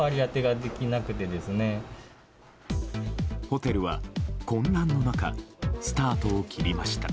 ホテルは混乱の中スタートを切りました。